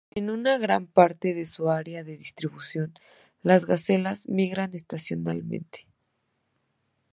En gran parte de su área de distribución, las gacelas migran estacionalmente.